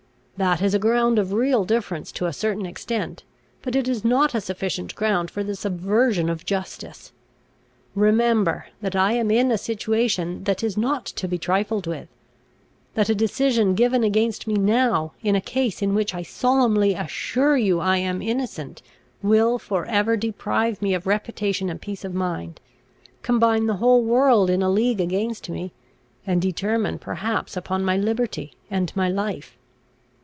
That is a ground of real difference to a certain extent; but it is not a sufficient ground for the subversion of justice. Remember, that I am in a situation that is not to be trifled with; that a decision given against me now, in a case in which I solemnly assure you I am innocent, will for ever deprive me of reputation and peace of mind, combine the whole world in a league against me, and determine perhaps upon my liberty and my life.